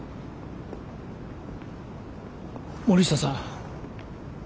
森下さん